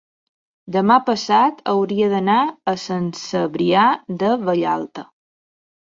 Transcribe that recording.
demà passat hauria d'anar a Sant Cebrià de Vallalta.